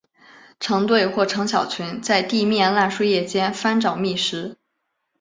成对或成小群在地面烂树叶间翻找觅食。